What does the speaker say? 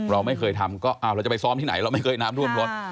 เราไม่เคยทำก็เราจะไปซ้อมที่ไหนเราไม่เคยน้ำท่วมรถ